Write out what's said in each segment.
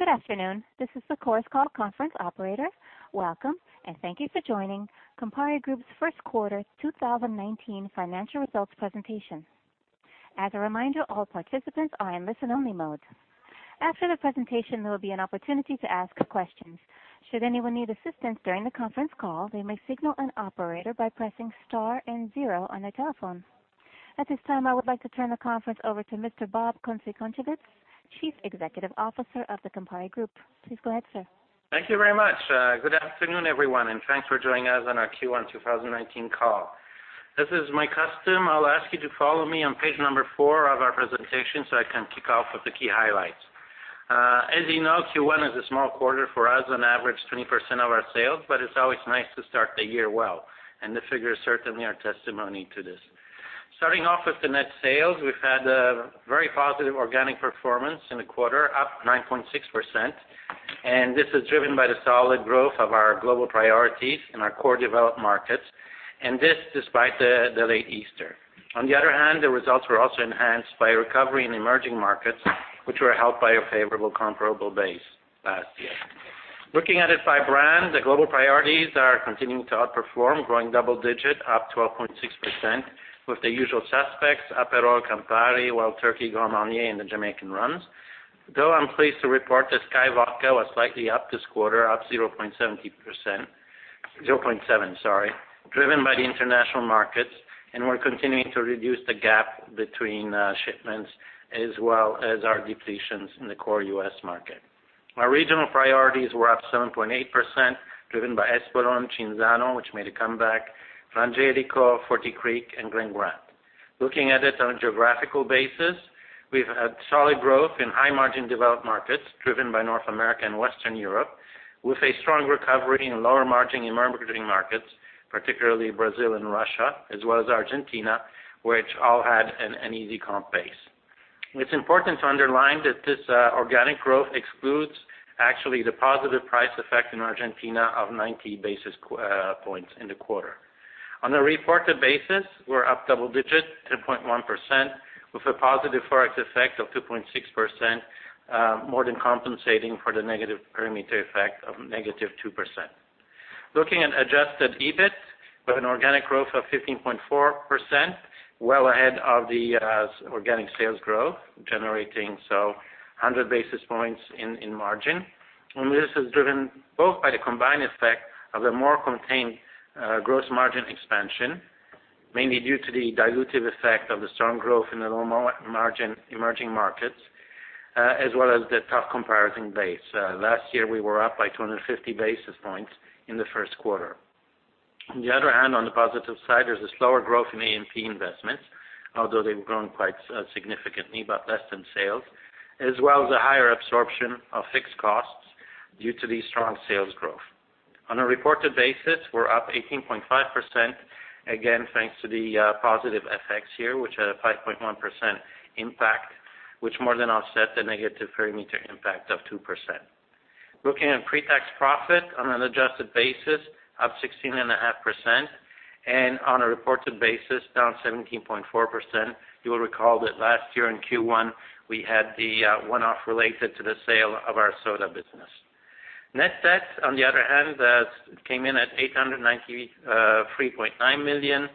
Good afternoon. This is the Chorus Call conference operator. Welcome, and thank you for joining Campari Group's first quarter 2019 financial results presentation. As a reminder, all participants are in listen-only mode. After the presentation, there will be an opportunity to ask questions. Should anyone need assistance during the conference call, they may signal an operator by pressing star and zero on their telephone. At this time, I would like to turn the conference over to Mr. Bob Kunze-Concewitz, Chief Executive Officer of the Campari Group. Please go ahead, sir. Thank you very much. Good afternoon, everyone, and thanks for joining us on our Q1 2019 call. This is my custom. I'll ask you to follow me on page number four of our presentation so I can kick off with the key highlights. As you know, Q1 is a small quarter for us, on average, 20% of our sales, but it's always nice to start the year well, and the figures certainly are testimony to this. Starting off with the net sales, we've had a very positive organic performance in the quarter, up 9.6%, and this is driven by the solid growth of our global priorities in our core developed markets, and this despite the late Easter. On the other hand, the results were also enhanced by a recovery in emerging markets, which were helped by a favorable comparable base last year. Looking at it by brand, the global priorities are continuing to outperform, growing double digit up 12.6%, with the usual suspects, Aperol, Campari, Wild Turkey, Grand Marnier, and the Jamaican rums. Though, I'm pleased to report that SKYY Vodka was slightly up this quarter, up 0.7%, driven by the international markets, and we're continuing to reduce the gap between shipments as well as our depletions in the core U.S. market. Our regional priorities were up 7.8%, driven by Espolòn, Cinzano, which made a comeback, Frangelico, Forty Creek, and Glen Grant. Looking at it on a geographical basis, we've had solid growth in high margin developed markets driven by North America and Western Europe, with a strong recovery in lower margin emerging markets, particularly Brazil and Russia, as well as Argentina, which all had an easy comp base. It's important to underline that this organic growth excludes actually the positive price effect in Argentina of 90 basis points in the quarter. On a reported basis, we're up double digit, 10.1%, with a positive Forex effect of 2.6%, more than compensating for the negative perimeter effect of negative 2%. Looking at adjusted EBIT, we have an organic growth of 15.4%, well ahead of the organic sales growth, generating so 100 basis points in margin. This is driven both by the combined effect of a more contained gross margin expansion, mainly due to the dilutive effect of the strong growth in the lower margin emerging markets, as well as the tough comparison base. Last year, we were up by 250 basis points in the first quarter. On the other hand, on the positive side, there is a slower growth in A&P investments, although they have grown quite significantly, but less than sales, as well as a higher absorption of fixed costs due to the strong sales growth. On a reported basis, we are up 18.5%, again, thanks to the positive effects here, which had a 5.1% impact, which more than offset the negative perimeter impact of 2%. Looking at pre-tax profit on an adjusted basis, up 16.5%, and on a reported basis, down 17.4%. You will recall that last year in Q1, we had the one-off related to the sale of our soda business. Net debt, on the other hand, came in at 893.9 million,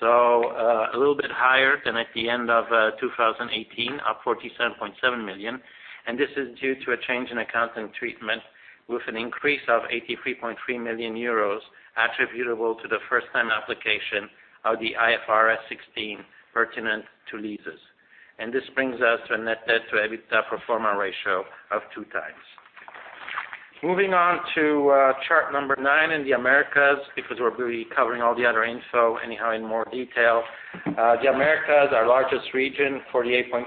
so a little bit higher than at the end of 2018, up 47.7 million. This is due to a change in accounting treatment with an increase of 83.3 million euros attributable to the first time application of the IFRS 16 pertinent to leases. This brings us to a net debt to EBITDA pro forma ratio of two times. Moving on to chart number nine in the Americas, because we will be covering all the other info anyhow in more detail. The Americas, our largest region, 48.3%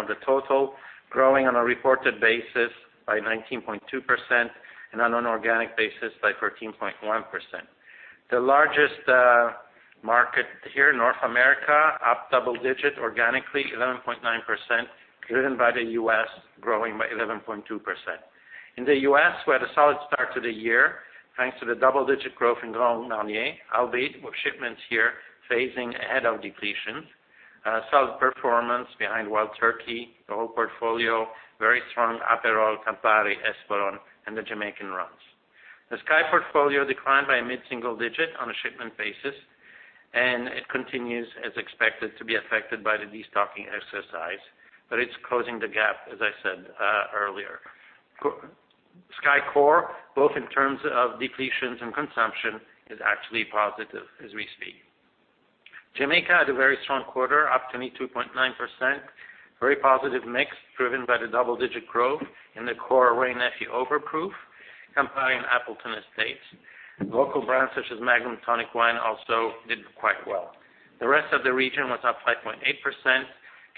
of the total, growing on a reported basis by 19.2%, and on an organic basis by 14.1%. The largest market here, North America, up double-digit organically, 11.9%, driven by the U.S. growing by 11.2%. In the U.S., we had a solid start to the year, thanks to the double-digit growth in Grand Marnier, albeit with shipments here phasing ahead of depletions. Solid performance behind Wild Turkey, the whole portfolio, very strong Aperol, Campari, Espolòn, and the Jamaican rums. The SKYY portfolio declined by a mid-single-digit on a shipment basis, and it continues as expected to be affected by the destocking exercise, but it is closing the gap, as I said earlier. SKYY core, both in terms of depletions and consumption, is actually positive as we speak. Jamaica had a very strong quarter, up 22.9%. Very positive mix driven by the double-digit growth in the core Wray & Nephew Overproof, Campari and Appleton Estate. Local brands such as Magnum Tonic Wine also did quite well. The rest of the region was up 5.8%.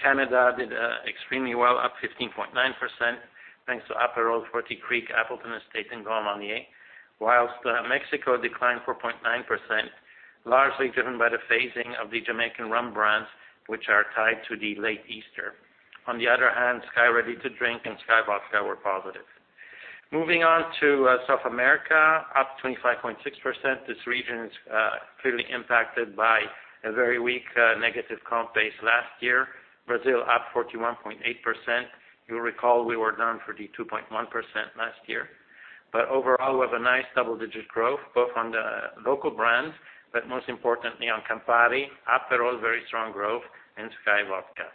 Canada did extremely well, up 15.9%, thanks to Aperol, Forty Creek, Appleton Estate, and Grand Marnier. Whilst Mexico declined 4.9%, largely driven by the phasing of the Jamaican rum brands, which are tied to the late Easter. On the other hand, SKYY Ready to Drink and SKYY Vodka were positive. Moving on to South America, up 25.6%. This region is clearly impacted by a very weak negative comp base last year. Brazil up 41.8%. You will recall we were down 42.1% last year. But overall, we have a nice double-digit growth both on the local brands, but most importantly on Campari, Aperol, very strong growth, and SKYY Vodka.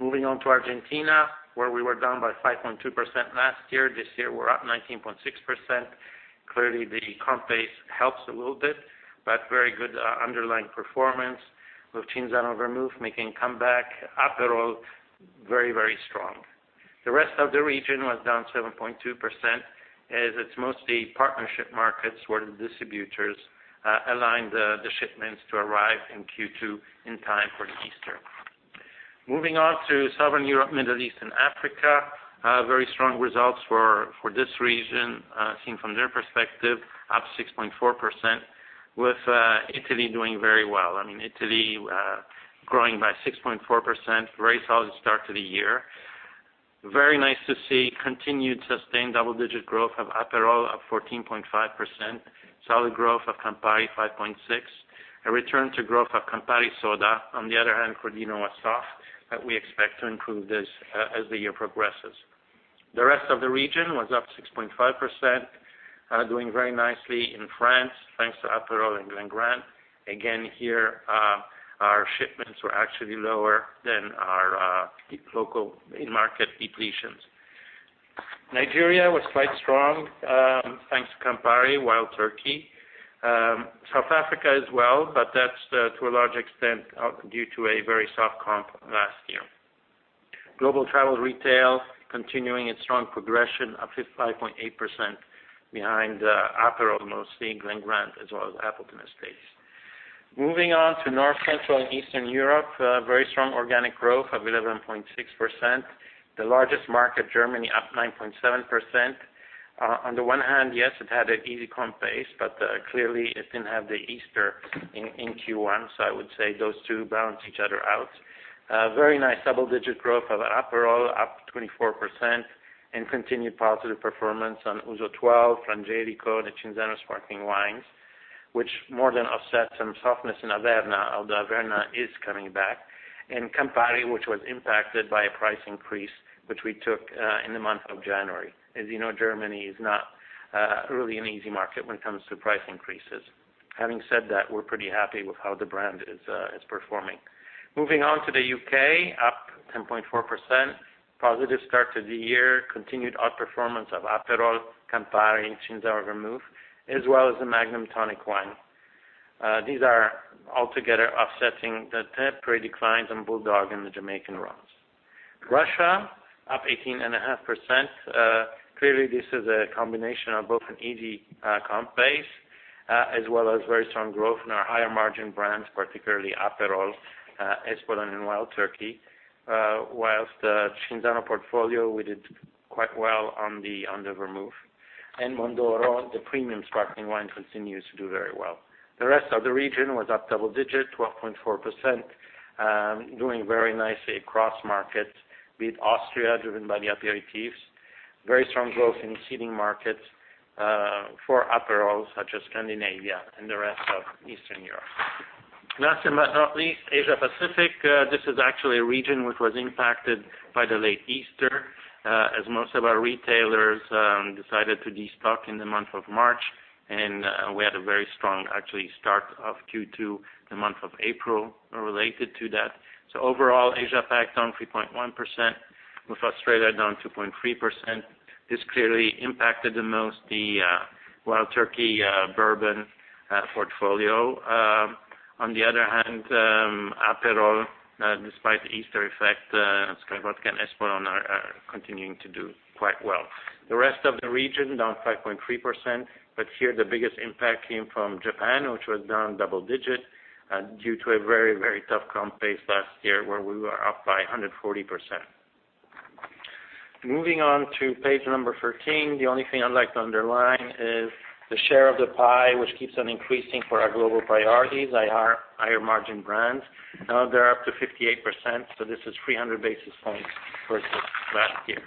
Moving on to Argentina, where we were down by 5.2% last year. This year we are up 19.6%. Clearly, the comp base helps a little bit, but very good underlying performance with Cinzano Vermouth making a comeback. Aperol, very strong. The rest of the region was down 7.2%, as it is mostly partnership markets where the distributors align the shipments to arrive in Q2 in time for Easter. Moving on to Southern Europe, Middle East and Africa. Very strong results for this region, seen from their perspective, up 6.4%, with Italy doing very well. Italy growing by 6.4%, very solid start to the year. Very nice to see continued sustained double-digit growth of Aperol, up 14.5%. Solid growth of Campari, 5.6%. A return to growth of Campari Soda. On the other hand, Crodino was soft, but we expect to improve this as the year progresses. The rest of the region was up 6.5%, doing very nicely in France, thanks to Aperol and Glen Grant. Again, here our shipments were actually lower than our local in-market depletions. Nigeria was quite strong, thanks to Campari, Wild Turkey. South Africa as well, but that's to a large extent due to a very soft comp last year. Global travel retail continuing its strong progression up 55.8%, behind Aperol mostly, Glen Grant, as well as Appleton Estate. Moving on to North, Central, and Eastern Europe, very strong organic growth of 11.6%. The largest market, Germany, up 9.7%. On the one hand, yes, it had an easy comp base, but clearly it didn't have the Easter in Q1, so I would say those two balance each other out. A very nice double-digit growth of Aperol, up 24%, and continued positive performance on Ouzo 12, Frangelico, the Cinzano sparkling wines, which more than offset some softness in Averna, although Averna is coming back. Campari, which was impacted by a price increase, which we took in the month of January. As you know, Germany is not really an easy market when it comes to price increases. Having said that, we're pretty happy with how the brand is performing. Moving on to the U.K., up 10.4%. Positive start to the year. Continued outperformance of Aperol, Campari, and Cinzano Vermouth, as well as the Magnum Tonic Wine. These are altogether offsetting the temporary declines on BULLDOG and the Jamaican rums. Russia, up 18.5%. Clearly this is a combination of both an easy comp base, as well as very strong growth in our higher margin brands, particularly Aperol, Espolòn, and Wild Turkey. Whilst the Cinzano portfolio, we did quite well on the Vermouth. Mondoro, the premium sparkling wine, continues to do very well. The rest of the region was up double digit, 12.4%, doing very nicely across markets, with Austria driven by the aperitifs. Very strong growth in seeding markets for Aperol, such as Scandinavia and the rest of Eastern Europe. Last but not least, Asia Pacific. This is actually a region which was impacted by the late Easter, as most of our retailers decided to de-stock in the month of March. We had a very strong actually start of Q2, the month of April, related to that. Overall, Asia Pac down 3.1%, with Australia down 2.3%. This clearly impacted the most the Wild Turkey bourbon portfolio. On the other hand, Aperol, despite the Easter effect, SKYY Vodka and Espolòn are continuing to do quite well. The rest of the region down 5.3%, but here the biggest impact came from Japan, which was down double digit due to a very tough comp base last year where we were up by 140%. Moving on to page number 13, the only thing I'd like to underline is the share of the pie, which keeps on increasing for our global priorities, higher margin brands. Now they're up to 58%, this is 300 basis points versus last year.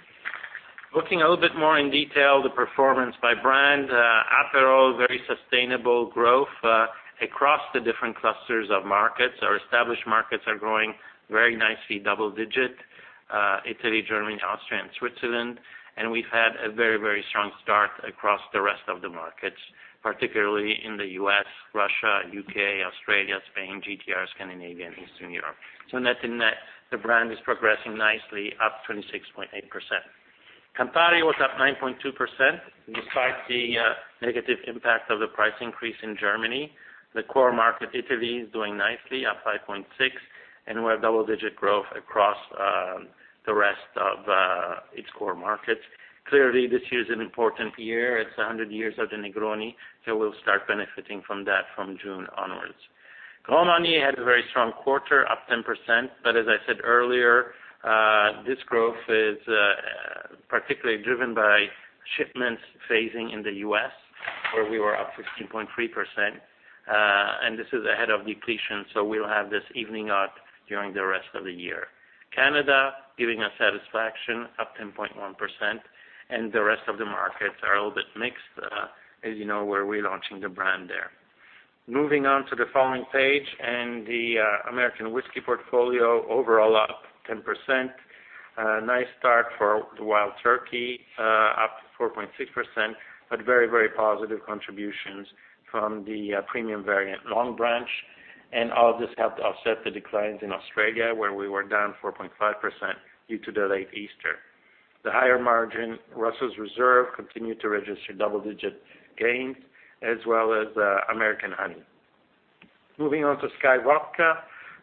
Looking a little bit more in detail, the performance by brand, Aperol, very sustainable growth across the different clusters of markets. Our established markets are growing very nicely, double-digit. Italy, Germany, Austria, and Switzerland. We've had a very strong start across the rest of the markets, particularly in the U.S., Russia, U.K., Australia, Spain, GTR, Scandinavia, and Eastern Europe. Net to net, the brand is progressing nicely, up 26.8%. Campari was up 9.2%, despite the negative impact of the price increase in Germany. The core market, Italy, is doing nicely, up 5.6%, and we have double-digit growth across the rest of its core markets. Clearly, this year is an important year. It's 100 years of the Negroni, so we'll start benefiting from that from June onwards. Grand Marnier had a very strong quarter, up 10%, but as I said earlier, this growth is particularly driven by shipments phasing in the U.S., where we were up 15.3%, and this is ahead of depletion, so we'll have this evening up during the rest of the year. Canada, giving us satisfaction, up 10.1%, and the rest of the markets are a little bit mixed, as you know, we're relaunching the brand there. Moving on to the following page, the American whiskey portfolio overall up 10%. A nice start for the Wild Turkey, up 4.6%, but very positive contributions from the premium variant Longbranch. All this helped offset the declines in Australia, where we were down 4.5% due to the late Easter. The higher margin Russell's Reserve continued to register double-digit gains, as well as American Honey. Moving on to SKYY Vodka.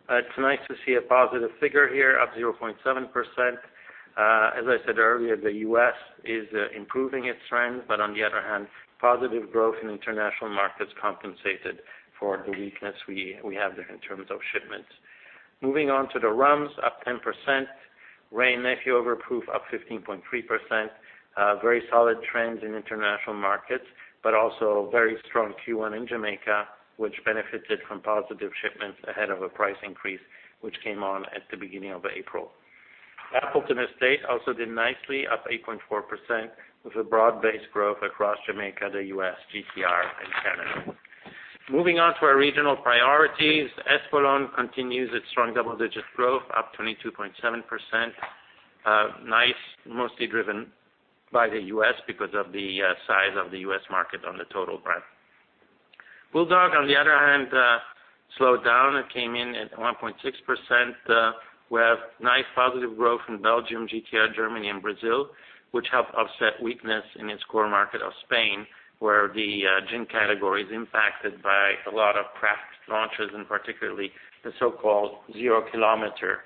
It's nice to see a positive figure here, up 0.7%. As I said earlier, the U.S. is improving its trend, but on the other hand, positive growth in international markets compensated for the weakness we have there in terms of shipments. Moving on to the rums, up 10%. Wray & Nephew Overproof up 15.3%. Very solid trends in international markets, but also a very strong Q1 in Jamaica, which benefited from positive shipments ahead of a price increase, which came on at the beginning of April. Appleton Estate also did nicely, up 8.4% with a broad-based growth across Jamaica, the U.S., GTR, and Canada. Moving on to our regional priorities. Espolòn continues its strong double-digit growth, up 22.7%. Nice, mostly driven by the U.S. because of the size of the U.S. market on the total brand. BULLDOG, on the other hand, slowed down. It came in at 1.6%, where nice positive growth in Belgium, GTR, Germany, and Brazil, which helped offset weakness in its core market of Spain, where the gin category is impacted by a lot of craft launches, and particularly the so-called zero kilometer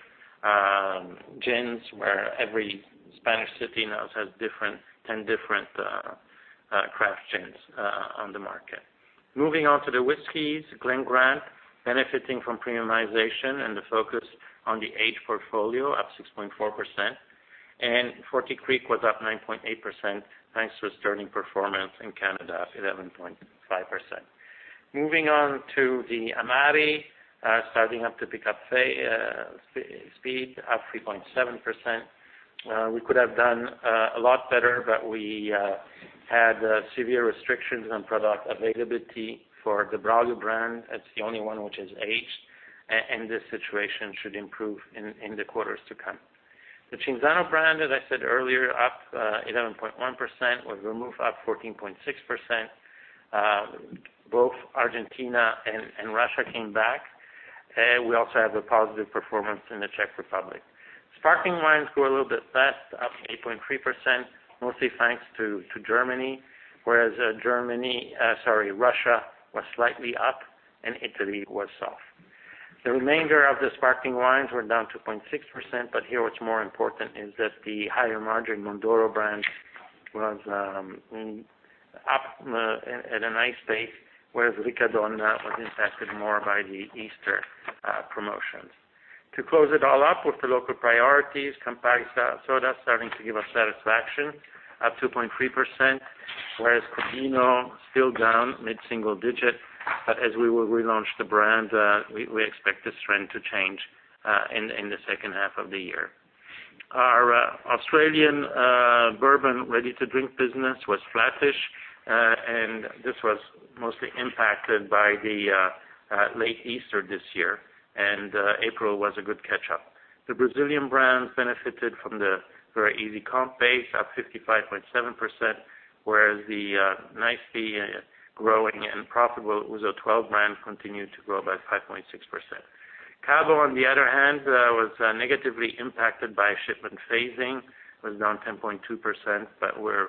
gins, where every Spanish city now has 10 different craft gins on the market. Moving on to the whiskeys. Glen Grant benefiting from premiumization and the focus on the age portfolio, up 6.4%. Forty Creek was up 9.8%, thanks to a sturdy performance in Canada, 11.5%. Moving on to the Amari. Starting up to pick up speed, up 3.7%. We could have done a lot better, but we had severe restrictions on product availability for the Braulio brand. That's the only one which is aged, and this situation should improve in the quarters to come. The Cinzano brand, as I said earlier, up 11.1%, with Vermouth up 14.6%. Both Argentina and Russia came back. We also have a positive performance in the Czech Republic. Sparkling wines grew a little bit less, up 8.3%, mostly thanks to Germany, whereas Russia was slightly up and Italy was soft. The remainder of the sparkling wines were down 2.6%, but here what's more important is that the higher margin Mondoro brand was up at a nice pace, whereas Riccadonna was impacted more by the Easter promotions. To close it all up with the local priorities, Campari Soda starting to give us satisfaction, up 2.3%, whereas Crodino still down mid-single digit. As we will relaunch the brand, we expect this trend to change in the second half of the year. Our Australian bourbon ready to drink business was flattish. This was mostly impacted by the late Easter this year, and April was a good catch-up. The Brazilian brands benefited from the very easy comp base, up 55.7%, whereas the nicely growing and profitable Ouzo 12 brand continued to grow by 5.6%. Cabo, on the other hand, was negatively impacted by shipment phasing. It was down 10.2%, but we're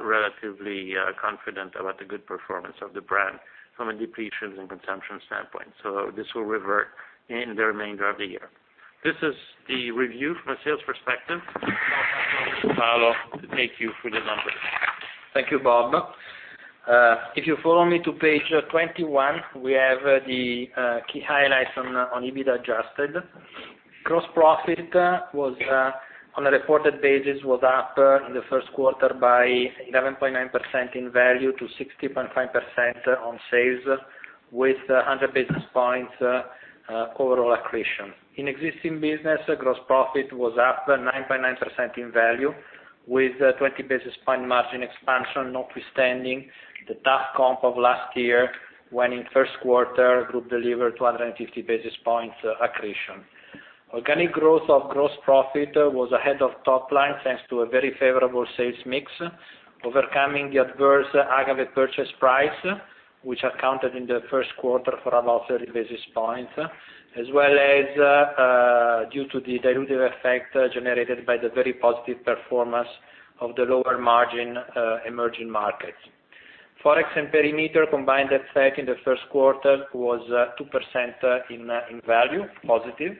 relatively confident about the good performance of the brand from a depletions and consumption standpoint. This will revert in the remainder of the year. This is the review from a sales perspective. Now passing on to Paolo to take you through the numbers. Thank you, Bob. If you follow me to page 21, we have the key highlights on EBIT adjusted. Gross profit, on a reported basis, was up in the first quarter by 11.9% in value to 60.5% on sales, with 100 basis points overall accretion. In existing business, gross profit was up 9.9% in value, with 20 basis point margin expansion, notwithstanding the tough comp of last year, when in first quarter group delivered 250 basis points accretion. Organic growth of gross profit was ahead of top line, thanks to a very favorable sales mix, overcoming the adverse agave purchase price, which accounted in the first quarter for about 30 basis points, as well as due to the dilutive effect generated by the very positive performance of the lower margin emerging markets. Forex and perimeter combined effect in the first quarter was 2% in value, positive,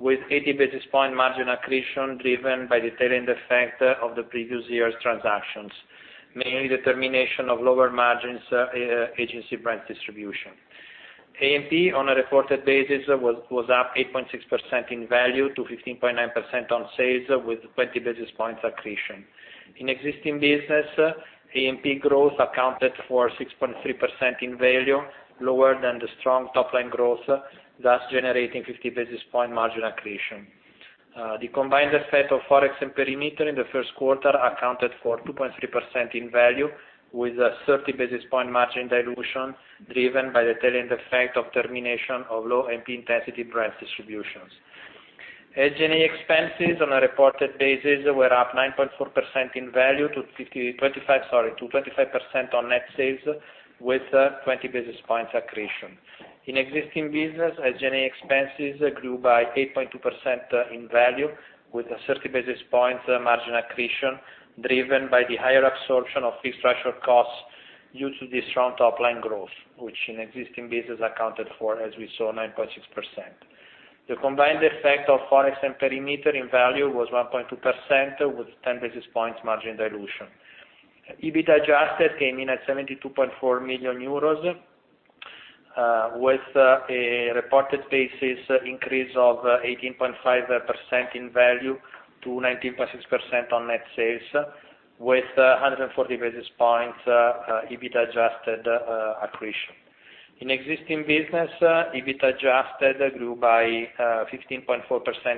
with 80 basis point margin accretion driven by the tailwind effect of the previous year's transactions, mainly the termination of lower margins agency brand distribution. AMP on a reported basis was up 8.6% in value to 15.9% on sales, with 20 basis points accretion. In existing business, AMP growth accounted for 6.3% in value, lower than the strong top-line growth, thus generating 50 basis point margin accretion. The combined effect of Forex and perimeter in the first quarter accounted for 2.3% in value, with a 30 basis point margin dilution driven by the tail end effect of termination of low AMP intensity brand distributions. SG&A expenses on a reported basis were up 9.4% in value to 25% on net sales, with 20 basis points accretion. In existing business, SG&A expenses grew by 8.2% in value, with a 30 basis points margin accretion driven by the higher absorption of fixed structural costs due to the strong top-line growth, which in existing business accounted for, as we saw, 9.6%. The combined effect of Forex and perimeter in value was 1.2% with 10 basis points margin dilution. EBIT adjusted came in at 72.4 million euros, with a reported basis increase of 18.5% in value to 19.6% on net sales with 140 basis points EBIT adjusted accretion. In existing business, EBIT adjusted grew by 15.4%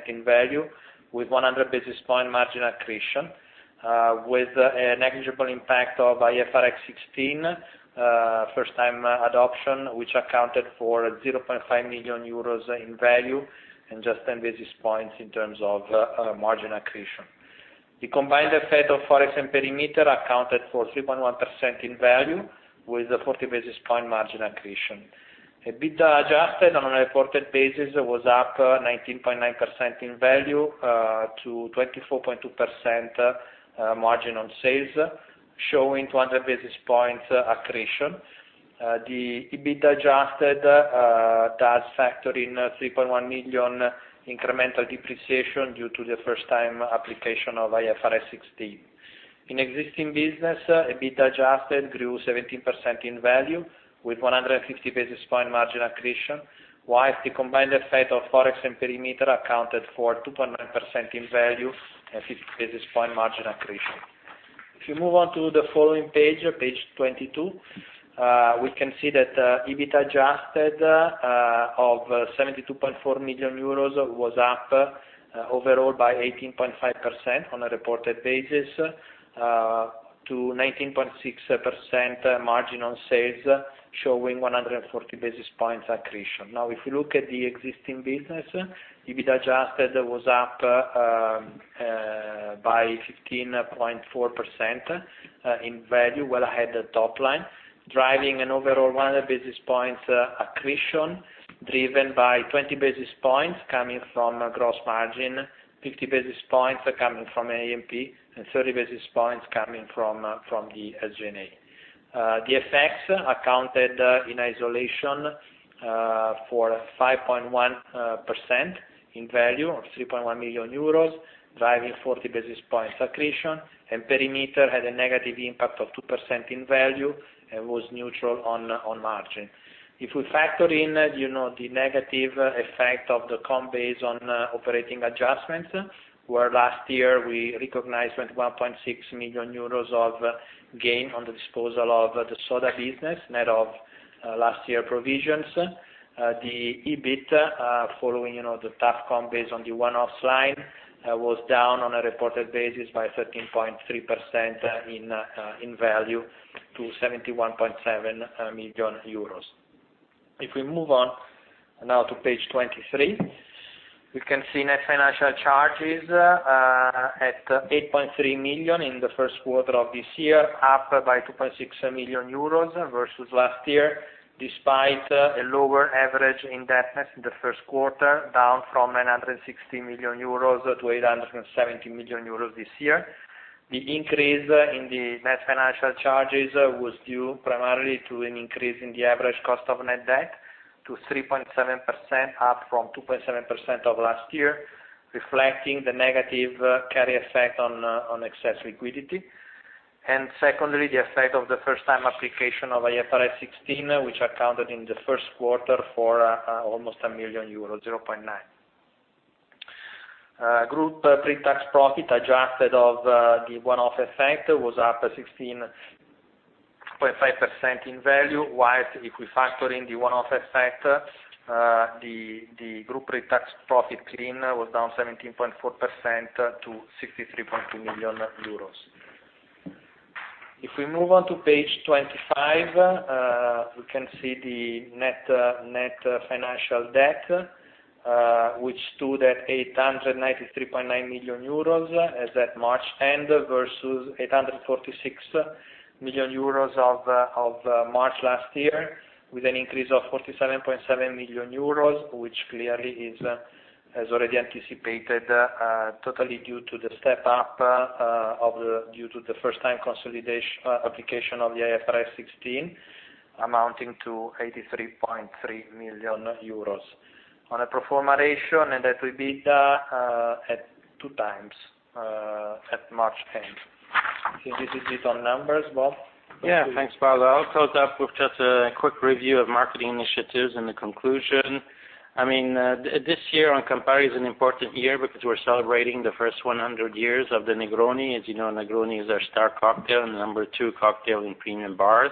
in value with 100 basis points margin accretion, with a negligible impact of IFRS 16 first time adoption, which accounted for 0.5 million euros in value and just 10 basis points in terms of margin accretion. The combined effect of Forex and perimeter accounted for 3.1% in value, with a 40 basis points margin accretion. EBITDA adjusted on a reported basis was up 19.9% in value to 24.2% margin on sales, showing 200 basis points accretion. The EBITDA adjusted does factor in 3.1 million incremental depreciation due to the first time application of IFRS 16. In existing business, EBITDA adjusted grew 17% in value with 150 basis points margin accretion, whilst the combined effect of Forex and perimeter accounted for 2.9% in value and 50 basis points margin accretion. If you move on to the following page 22, we can see that EBIT adjusted of 72.4 million euros was up overall by 18.5% on a reported basis to 19.6% margin on sales, showing 140 basis points accretion. If you look at the existing business, EBIT adjusted was up by 15.4% in value, well ahead of top line, driving an overall 100 basis points accretion, driven by 20 basis points coming from gross margin, 50 basis points coming from AMP, and 30 basis points coming from the SG&A. The effects accounted in isolation for 5.1% in value or 3.1 million euros, driving 40 basis points accretion, and perimeter had a negative impact of 2% in value and was neutral on margin. If we factor in the negative effect of the comp base on operating adjustments, where last year we recognized 21.6 million euros of gain on the disposal of the Campari Soda business, net of last year provisions. The EBIT following the tax comp base on the one-off slide was down on a reported basis by 13.3% in value to 71.7 million euros. If we move on to page 23, we can see net financial charges at 8.3 million in the first quarter of this year, up by 2.6 million euros versus last year, despite a lower average in net debt in the first quarter, down from 960 million euros to 870 million euros this year. The increase in the net financial charges was due primarily to an increase in the average cost of net debt to 3.7%, up from 2.7% of last year, reflecting the negative carry effect on excess liquidity. Secondly, the effect of the first time application of IFRS 16, which accounted in the first quarter for almost a million euro, 0.9 million. Group pre-tax profit adjusted of the one-off effect was up 16.5% in value, whilst if we factor in the one-off effect, the group pre-tax profit clean was down 17.4% to 63.2 million euros. If we move on to page 25, we can see the net financial debt, which stood at 893.9 million euros as at March end versus 846 million euros of March last year, with an increase of 47.7 million euros, which clearly as already anticipated, totally due to the step up due to the first time consolidation application of the IFRS 16 amounting to 83.3 million euros. On a pro forma ratio, net debt to EBITDA at two times at March 10. I think this is it on numbers, Bob. Yeah. Thanks, Paolo. I'll close up with just a quick review of marketing initiatives and the conclusion. This year on Campari is an important year because we're celebrating the first 100 years of the Negroni. As you know, Negroni is our star cocktail, and the number 2 cocktail in premium bars.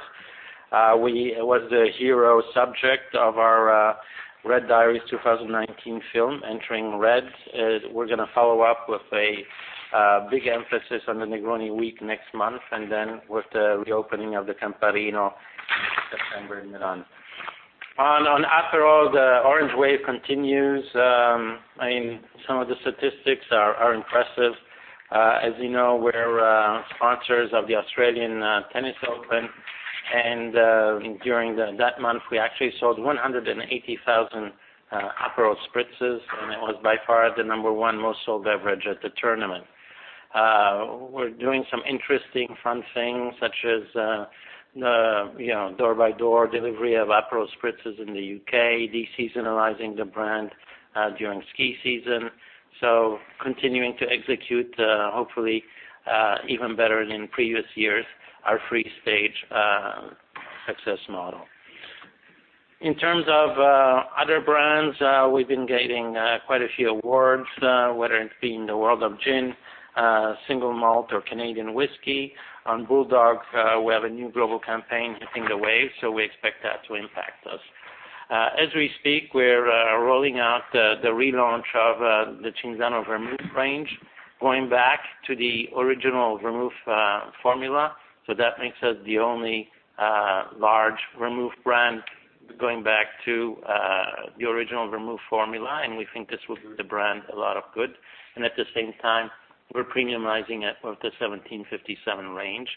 It was the hero subject of our Red Diaries 2019 film, "Entering Red", as we're going to follow up with a big emphasis on the Negroni Week next month, then with the reopening of the Camparino in September in Milan. On Aperol, the orange wave continues. Some of the statistics are impressive. As you know, we're sponsors of the Australian Open, during that month, we actually sold 180,000 Aperol spritzes, and it was by far the number 1 most sold beverage at the tournament. We're doing some interesting fun things such as door by door delivery of Aperol spritzes in the U.K., de-seasonalizing the brand during ski season. Continuing to execute, hopefully, even better than previous years, our 3-stage success model. In terms of other brands, we've been getting quite a few awards, whether it be in the world of gin, single malt, or Canadian whisky. On BULLDOG, we have a new global campaign hitting the waves, we expect that to impact us. As we speak, we're rolling out the relaunch of the Cinzano Vermouth range, going back to the original vermouth formula. That makes us the only large vermouth brand going back to the original vermouth formula, and we think this will do the brand a lot of good, and at the same time, we're premiumizing it with the 1757 range.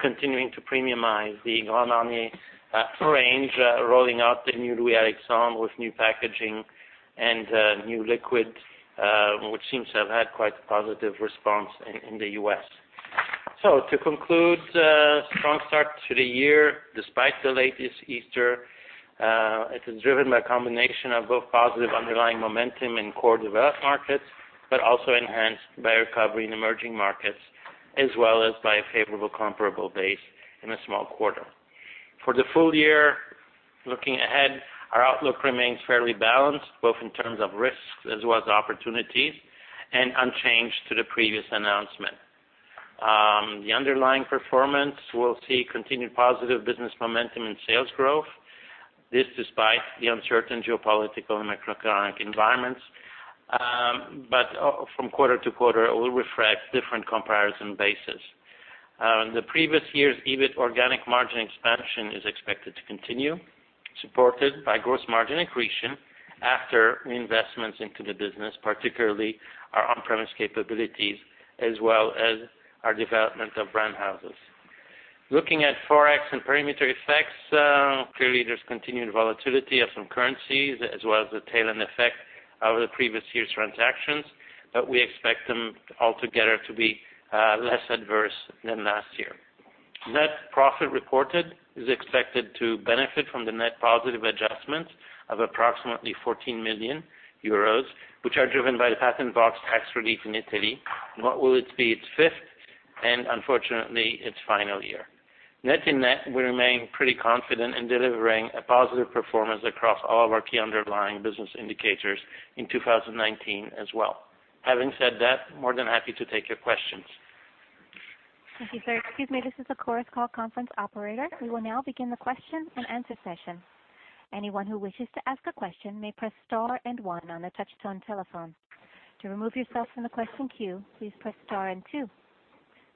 Continuing to premiumize the Grand Marnier Cuvée range, rolling out the new Louis Alexandre with new packaging and new liquid, which seems to have had quite a positive response in the U.S. To conclude, strong start to the year, despite the latest Easter. It is driven by a combination of both positive underlying momentum in core developed markets, also enhanced by recovery in emerging markets, as well as by a favorable comparable base in a small quarter. For the full year, looking ahead, our outlook remains fairly balanced, both in terms of risks as well as opportunities, and unchanged to the previous announcement. The underlying performance will see continued positive business momentum and sales growth. This despite the uncertain geopolitical and macroeconomic environments. From quarter to quarter, it will reflect different comparison bases. The previous year's EBIT organic margin expansion is expected to continue, supported by gross margin accretion after reinvestments into the business, particularly our on-premise capabilities, as well as our development of brand houses. Looking at Forex and perimeter effects, clearly, there's continued volatility of some currencies as well as the tail end effect of the previous year's transactions, but we expect them all together to be less adverse than last year. Net profit reported is expected to benefit from the net positive adjustments of approximately 14 million euros, which are driven by the Patent Box tax relief in Italy, in what will be its fifth, and unfortunately its final year. Net in net, we remain pretty confident in delivering a positive performance across all of our key underlying business indicators in 2019 as well. Having said that, more than happy to take your questions. Thank you, sir. Excuse me, this is the Chorus Call conference operator. We will now begin the question and answer session. Anyone who wishes to ask a question may press star 1 on a touch-tone telephone. To remove yourself from the question queue, please press star 2.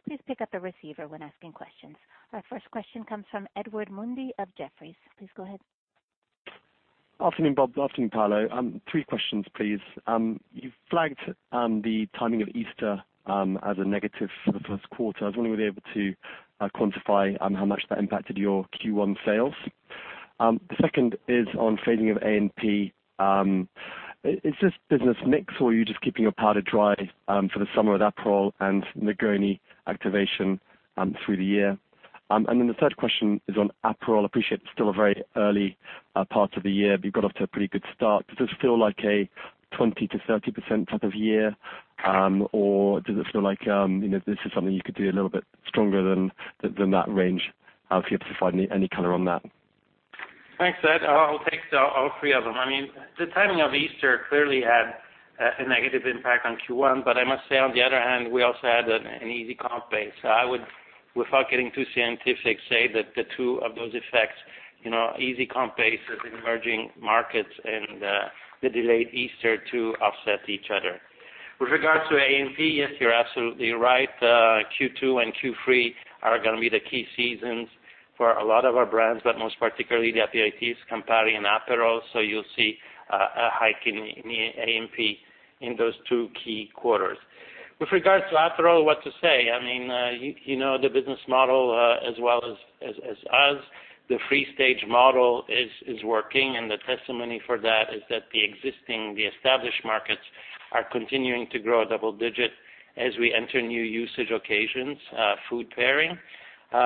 Please pick up the receiver when asking questions. Our first question comes from Edward Mundy of Jefferies. Please go ahead. Afternoon, Bob. Afternoon, Paolo. Three questions, please. You've flagged the timing of Easter as a negative for the first quarter. I was wondering whether you were able to quantify how much that impacted your Q1 sales. The second is on fading of A&P. Is this business mix, or are you just keeping your powder dry for the summer with Aperol and Negroni activation through the year? The third question is on Aperol. Appreciate it's still a very early part of the year, but you got off to a pretty good start. Does it feel like a 20%-30% type of year, or does it feel like this is something you could do a little bit stronger than that range? If you could provide any color on that. Thanks, Ed. I'll take all three of them. The timing of Easter clearly had a negative impact on Q1, but I must say, on the other hand, we also had an easy comp base. I would, without getting too scientific, say that the two of those effects, easy comp bases in emerging markets and the delayed Easter, to offset each other. With regards to A&P, yes, you're absolutely right. Q2 and Q3 are going to be the key seasons for a lot of our brands, but most particularly the aperitifs, Campari, and Aperol. You'll see a hike in A&P in those two key quarters. With regards to Aperol, what to say? You know the business model as well as us. The three-stage model is working, the testimony for that is that the existing, the established markets are continuing to grow double-digit as we enter new usage occasions, food pairing. We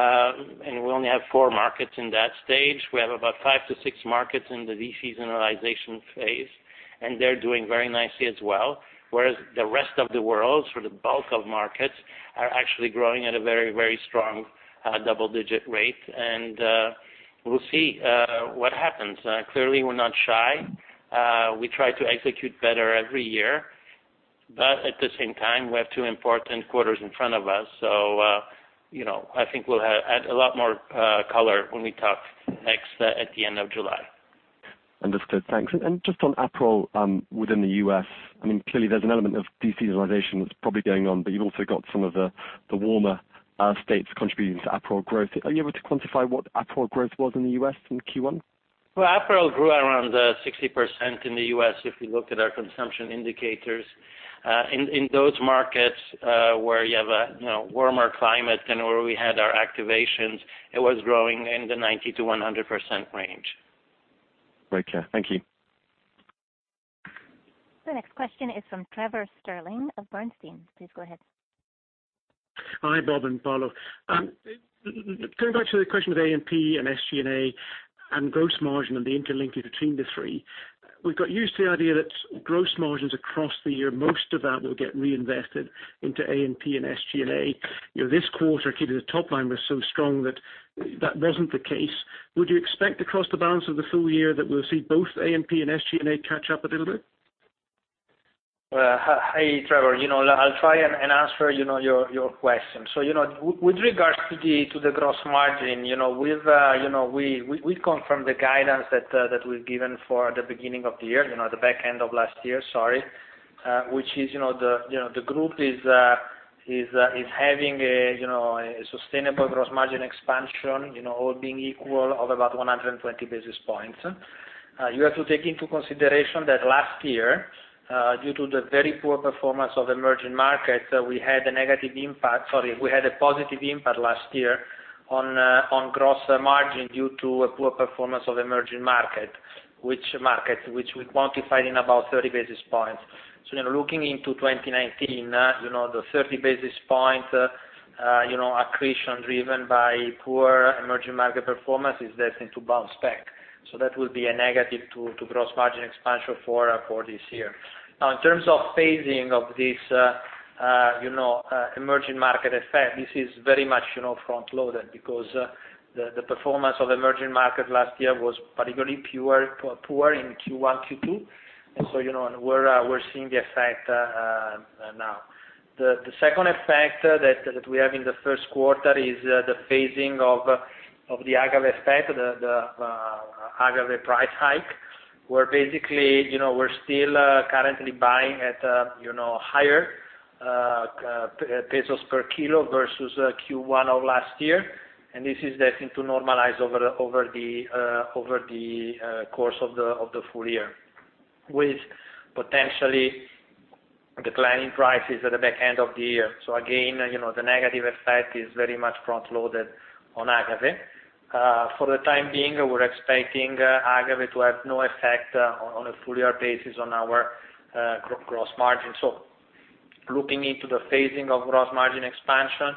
only have four markets in that stage. We have about five to six markets in the de-seasonalization phase, and they're doing very nicely as well, whereas the rest of the world, sort of the bulk of markets, are actually growing at a very strong double-digit rate. We'll see what happens. Clearly, we're not shy. We try to execute better every year, but at the same time, we have two important quarters in front of us. I think we'll add a lot more color when we talk next at the end of July. Understood. Thanks. Just on Aperol within the U.S., clearly there's an element of de-seasonalization that's probably going on, but you've also got some of the warmer states contributing to Aperol growth. Are you able to quantify what Aperol growth was in the U.S. in Q1? Well, Aperol grew around 60% in the U.S. if we look at our consumption indicators. In those markets where you have a warmer climate than where we had our activations, it was growing in the 90%-100% range. Okay. Thank you. The next question is from Trevor Stirling of Bernstein. Please go ahead. Hi, Bob and Paolo. Going back to the question of A&P and SG&A and gross margin and the interlinking between the three, we've got used to the idea that gross margins across the year, most of that will get reinvested into A&P and SG&A. This quarter, clearly the top line was so strong that that wasn't the case. Would you expect across the balance of the full year that we'll see both A&P and SG&A catch up a little bit? Hi, Trevor. I'll try and answer your question. With regards to the gross margin, we'd confirm the guidance that we've given for the beginning of the year, the back end of last year, sorry, which is the group is having a sustainable gross margin expansion, all being equal, of about 120 basis points. You have to take into consideration that last year, due to the very poor performance of emerging markets, We had a positive impact last year on gross margin due to a poor performance of emerging markets, which we quantified in about 30 basis points. Looking into 2019, the 30 basis points accretion driven by poor emerging markets performance is destined to bounce back. That will be a negative to gross margin expansion for this year. In terms of phasing of this emerging market effect, this is very much front-loaded because the performance of emerging markets last year was particularly poor in Q1, Q2, and we're seeing the effect now. The second effect that we have in the first quarter is the phasing of the agave effect, the agave price hike, where basically, we're still currently buying at higher pesos per kilo versus Q1 of last year, and this is destined to normalize over the course of the full year, with potentially declining prices at the back end of the year. Again, the negative effect is very much front-loaded on agave. For the time being, we're expecting agave to have no effect on a full year basis on our gross margin. Looking into the phasing of gross margin expansion,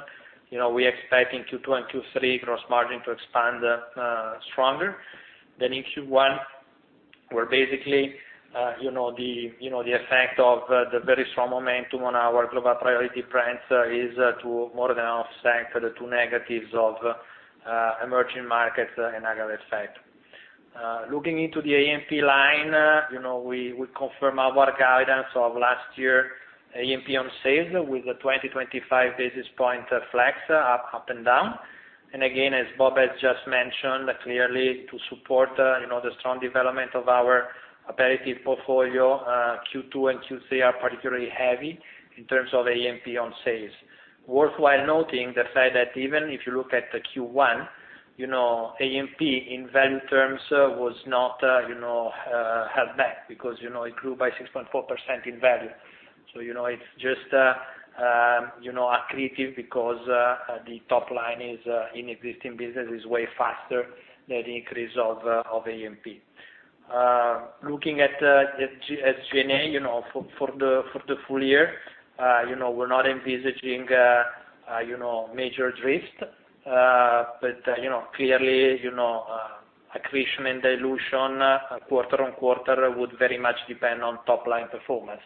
we're expecting Q2 and Q3 gross margin to expand stronger than in Q1, where basically, the effect of the very strong momentum on our global priority brands is to more than offset the two negatives of emerging markets and agave effect. Looking into the A&P line, we confirm our guidance of last year, A&P on sales with a 20, 25 basis points flex up and down. Again, as Bob has just mentioned, clearly to support the strong development of our aperitif portfolio, Q2 and Q3 are particularly heavy in terms of A&P on sales. Worthwhile noting the fact that even if you look at Q1, A&P in value terms was not held back because it grew by 6.4% in value. It's just accretive because the top line in existing business is way faster than the increase of A&P. Looking at SG&A, for the full year, we're not envisaging a major drift. Clearly, accretion and dilution quarter-on-quarter would very much depend on top-line performance.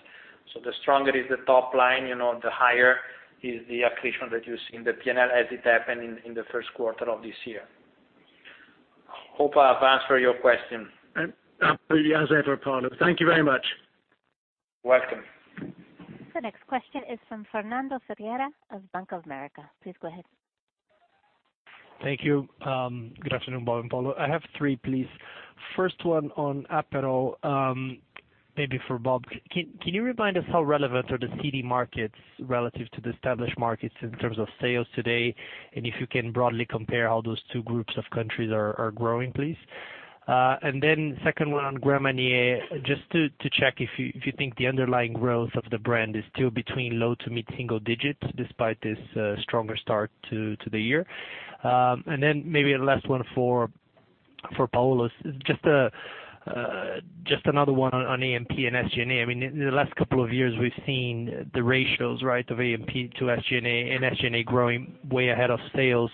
The stronger is the top line, the higher is the accretion that you see in the P&L as it happened in the first quarter of this year. Hope I've answered your question. Happy as ever, Paolo. Thank you very much. Welcome. The next question is from Ferdinando Scianna of Bank of America. Please go ahead. Thank you. Good afternoon, Bob and Paolo. I have three, please. First one on Aperol, maybe for Bob. Can you remind us how relevant are the seeding markets relative to the established markets in terms of sales today? If you can broadly compare how those two groups of countries are growing, please. Second one on Grand Marnier, just to check if you think the underlying growth of the brand is still between low-to-mid-single digits despite this stronger start to the year. Maybe the last one for Paolo, just another one on AMP and SG&A. In the last couple of years, we've seen the ratios of AMP to SG&A, and SG&A growing way ahead of sales,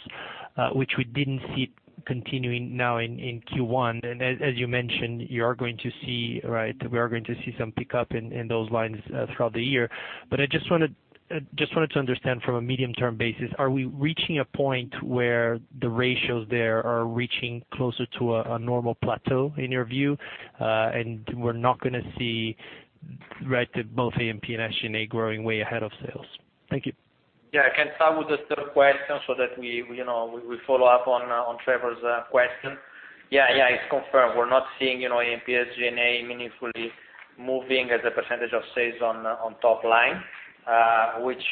which we didn't see continuing now in Q1. As you mentioned, we are going to see some pickup in those lines throughout the year. I just wanted to understand from a medium-term basis, are we reaching a point where the ratios there are reaching closer to a normal plateau in your view? We're not going to see both AMP and SG&A growing way ahead of sales. Thank you. I can start with the third question so that we follow up on Trevor's question. It's confirmed. We're not seeing AMP or SG&A meaningfully moving as a percentage of sales on top line, which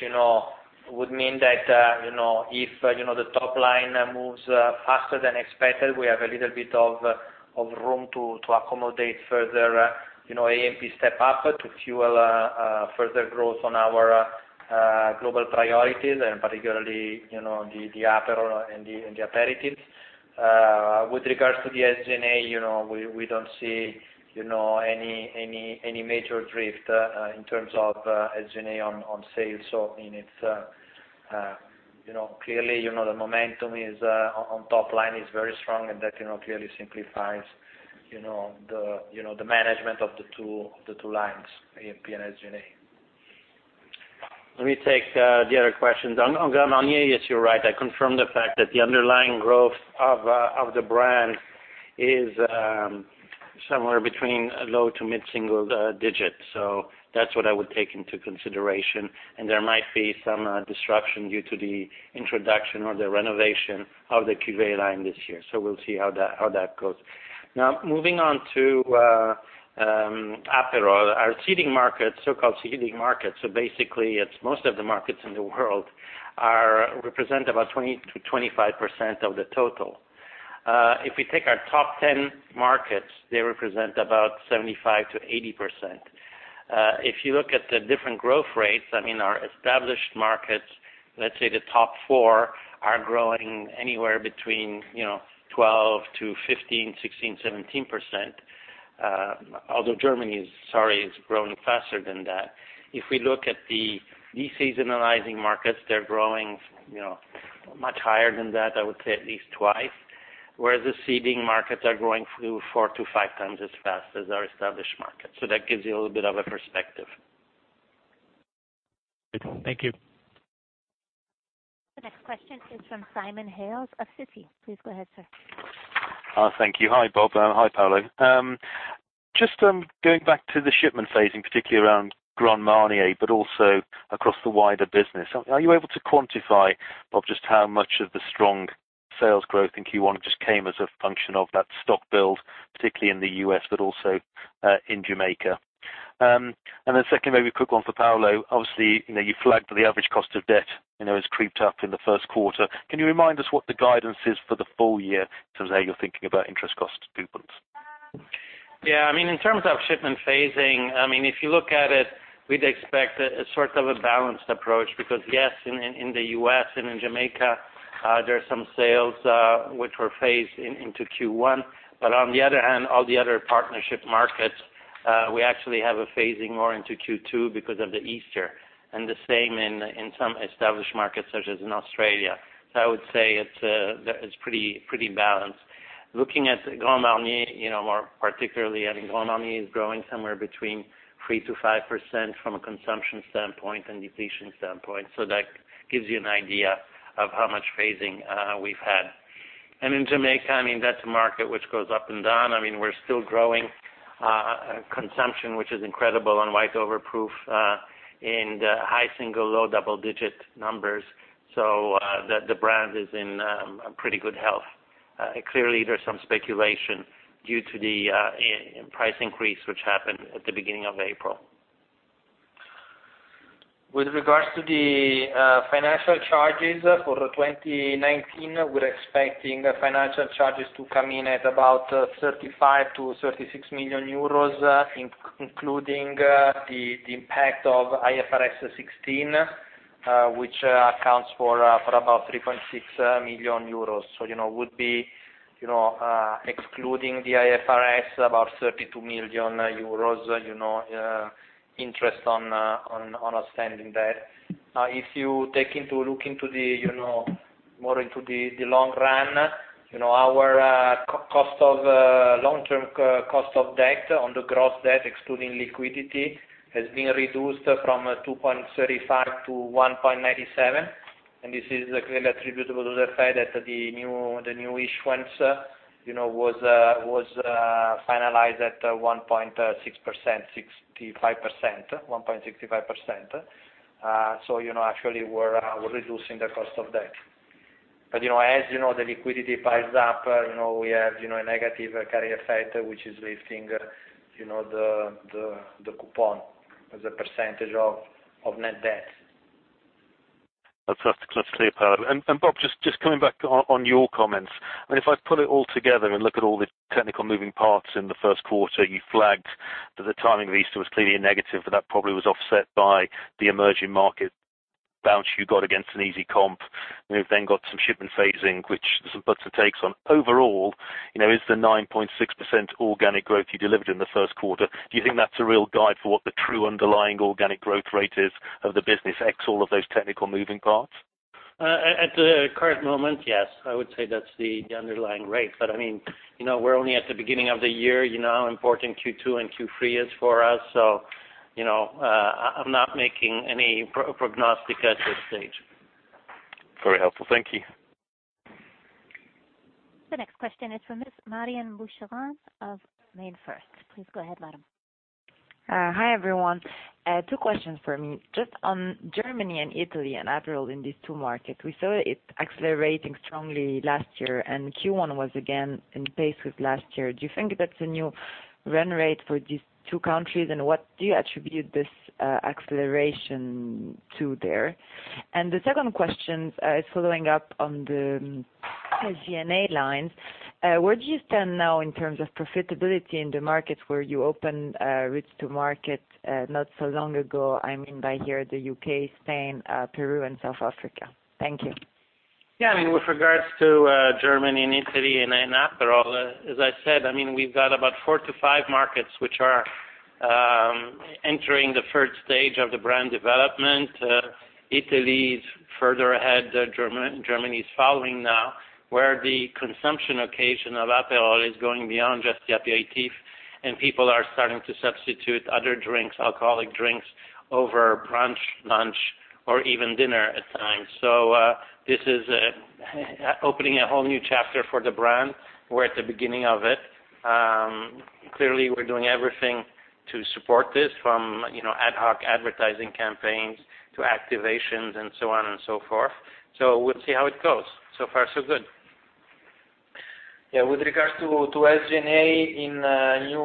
would mean that if the top line moves faster than expected, we have a little bit of room to accommodate further AMP step up to fuel further growth on our global priorities, and particularly, the Aperol and the aperitifs. With regards to the SG&A, we don't see any major drift in terms of SG&A on sales. Clearly, the momentum on top line is very strong, and that clearly simplifies the management of the two lines, AMP and SG&A. Let me take the other question. On Grand Marnier, yes, you're right. I confirm the fact that the underlying growth of the brand is somewhere between low-to-mid-single digits. That's what I would take into consideration, and there might be some disruption due to the introduction or the renovation of the Cuvée line this year. We'll see how that goes. Now, moving on to Aperol. Our seeding market, so-called seeding market, so basically, it's most of the markets in the world, represent about 20%-25% of the total. If we take our top 10 markets, they represent about 75%-80%. If you look at the different growth rates, our established markets, let's say the top four, are growing anywhere between 12%-15%, 16%, 17%. Although Germany is growing faster than that. If we look at the des seasonalizing markets, they're growing much higher than that, I would say at least twice. Whereas the seeding markets are growing four to five times as fast as our established markets. That gives you a little bit of a perspective. Thank you. The next question is from Simon Hales of Citi. Please go ahead, sir. Thank you. Hi, Bob. Hi, Paolo. Just going back to the shipment phasing, particularly around Grand Marnier, but also across the wider business. Are you able to quantify, Bob, just how much of the strong sales growth in Q1 just came as a function of that stock build, particularly in the U.S., but also in Jamaica? Second, maybe a quick one for Paolo. Obviously, you flagged the average cost of debt has creeped up in the first quarter. Can you remind us what the guidance is for the full year in terms of how you're thinking about interest cost coupons? In terms of shipment phasing, if you look at it, we'd expect a balanced approach, because, yes, in the U.S. and in Jamaica, there are some sales, which were phased into Q1. On the other hand, all the other partnership markets, we actually have a phasing more into Q2 because of Easter, and the same in some established markets, such as in Australia. I would say it's pretty balanced. Looking at Grand Marnier, more particularly, I think Grand Marnier is growing somewhere between 3%-5% from a consumption standpoint and depletion standpoint. That gives you an idea of how much phasing we've had. In Jamaica, that's a market which goes up and down. We're still growing consumption, which is incredible on White Overproof in the high single, low double-digit numbers. The brand is in pretty good health. Clearly, there's some speculation due to the price increase, which happened at the beginning of April. With regards to the financial charges for 2019, we're expecting financial charges to come in at about 35 million-36 million euros, including the impact of IFRS 16, which accounts for about 3.6 million euros. Would be excluding the IFRS, about 32 million euros interest on outstanding debt. If you take a look more into the long run, our long-term cost of debt on the gross debt, excluding liquidity, has been reduced from 2.35%-1.97%, and this is clearly attributable to the fact that the new issuance was finalized at 1.65%. Actually, we're reducing the cost of debt. As the liquidity piles up, we have a negative carrier effect, which is lifting the coupon as a percentage of net debt. That's clear, Paolo. Bob, just coming back on your comments. If I pull it all together and look at all the technical moving parts in the first quarter, you flagged that the timing of Easter was clearly a negative, but that probably was offset by the emerging market bounce you got against an easy comp. You've then got some shipment phasing, which there's some puts and takes on. Overall, is the 9.6% organic growth you delivered in the first quarter, do you think that's a real guide for what the true underlying organic growth rate is of the business, ex all of those technical moving parts? At the current moment, yes. I would say that's the underlying rate. We're only at the beginning of the year, how important Q2 and Q3 is for us, so I'm not making any prognosis at this stage. Very helpful. Thank you. The next question is from Ms. Marion Boucheron of MainFirst. Please go ahead, madam. Hi, everyone. Two questions for me. Just on Germany and Italy and Aperol in these two markets. We saw it accelerating strongly last year, Q1 was again in pace with last year. Do you think that's a new run rate for these two countries, and what do you attribute this acceleration to there? The second question is following up on the SG&A lines. Where do you stand now in terms of profitability in the markets where you opened routes to market not so long ago? I mean by here, the U.K., Spain, Peru and South Africa. Thank you. Yeah. With regards to Germany and Italy and Aperol, as I said, we've got about four to five markets which are entering the stage 3 of the brand development. Italy is further ahead. Germany is following now, where the consumption occasion of Aperol is going beyond just the aperitif, and people are starting to substitute other drinks, alcoholic drinks, over brunch, lunch or even dinner at times. This is opening a whole new chapter for the brand. We're at the beginning of it. Clearly, we're doing everything to support this from ad hoc advertising campaigns to activations and so on and so forth. We'll see how it goes. Far, so good. Yeah. With regards to SG&A in new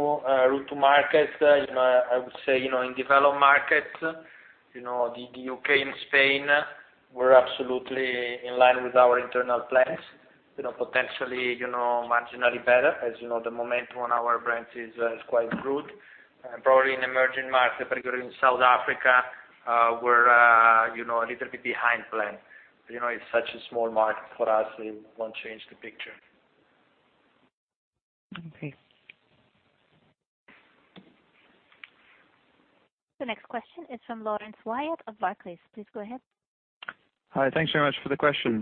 route to market, I would say, in developed markets, the U.K. and Spain, we're absolutely in line with our internal plans, potentially marginally better. As you know, the momentum on our brands is quite good. Probably in emerging markets, particularly in South Africa, we're a little bit behind plan. It's such a small market for us, it won't change the picture. Okay. The next question is from Laurence Whyatt of Barclays. Please go ahead. Hi. Thanks very much for the question.